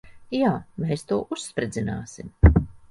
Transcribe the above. Jā. Mēs to uzspridzināsim.